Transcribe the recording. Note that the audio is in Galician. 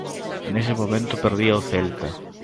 Nese momento perdía o Celta.